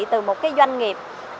từ một cái doanh nghiệp